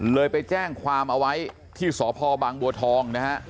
ไปแจ้งความเอาไว้ที่สพบางบัวทองนะฮะ